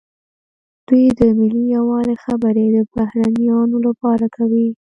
دوی د ملي یووالي خبرې د بهرنیانو لپاره کوي.